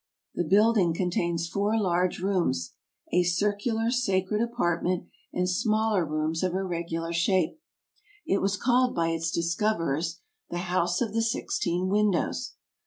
The building contains four large rooms, a circular sacred apartment and smaller rooms of irregular shape. It was called by its discoverers "The House of the Sixteen Windows."